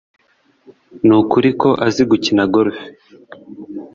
Nukuri ko azi gukina golf.